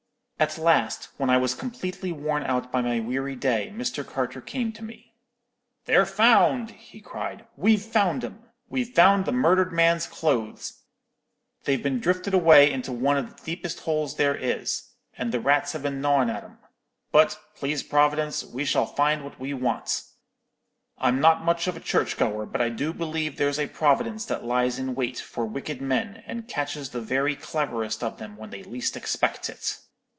"At last, when I was completely worn out by my weary day, Mr. Carter came to me. "'They're found!' he cried. 'We've found 'em! We've found the murdered man's clothes! They've been drifted away into one of the deepest holes there is, and the rats have been gnawing at 'em. But, please Providence, we shall find what we want. I'm not much of a church goer, but I do believe there's a Providence that lies in wait for wicked men, and catches the very cleverest of them when they least expect it.'